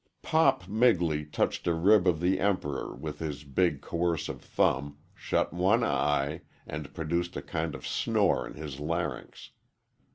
"Pop" Migley touched a rib of the Emperor with his big, coercive thumb, shut one eye, and produced a kind of snore in his larynx.